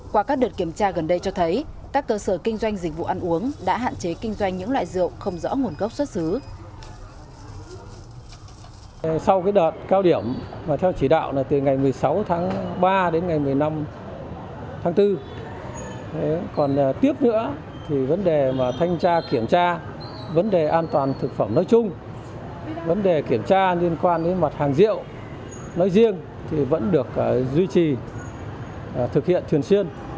qua các đợt kiểm tra gần đây cho thấy các cơ sở kinh doanh dịch vụ ăn uống đã hạn chế kinh doanh những loại rượu không rõ nguồn gốc xuất xứ